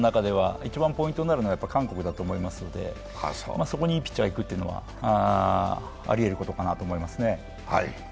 １次ラウンドの中で一番ポイントになるのは韓国だと思いますのでそこにいいピッチャーがいくというのは、ありえることかなと思いますね。